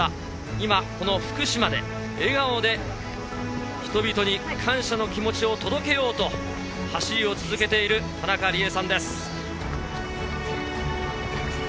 今、この福島で、笑顔で人々に感謝の気持ちを届けようと、走りを続けている田中理恵さんです。